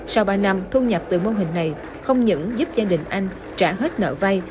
sau ba năm thu nhập từ mô hình này không những giúp gia đình anh trả hết nợ vay